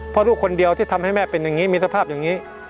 เพราะลูกคนเดียวที่ทำให้แม่เป็นอย่างนี้มีสภาพอย่างนี้